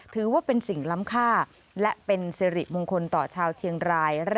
ถือว่าเป็นสิ่งล้ำค่าและเป็นสิริมงคลต่อชาวเชียงราย